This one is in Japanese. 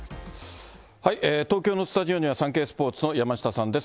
東京のスタジオにはサンケイスポーツの山下さんです。